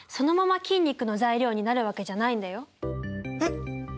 えっ？